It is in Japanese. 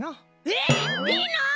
えっいいの！？